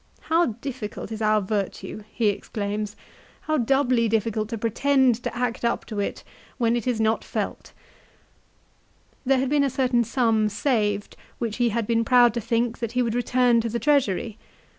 "How difficult is virtue," he exclaims, "how doubly difficult to pretend to act up to it when it is not felt !" 2 There had been a certain sum saved which he had been proud to think that he would return to the treasury.